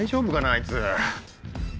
あいつ。